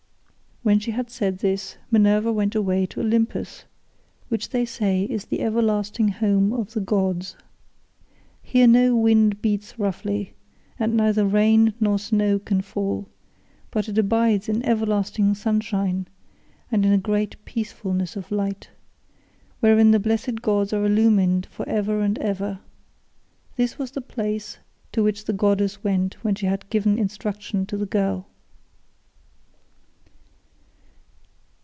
When she had said this Minerva went away to Olympus, which they say is the everlasting home of the gods. Here no wind beats roughly, and neither rain nor snow can fall; but it abides in everlasting sunshine and in a great peacefulness of light, wherein the blessed gods are illumined for ever and ever. This was the place to which the goddess went when she had given instructions to the girl.